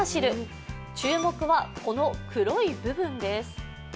注目はこの黒い部分です。